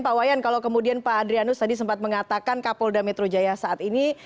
pak wayan kalau kemudian pak adrianus tadi sempat mengatakan kapolda metro jaya saat ini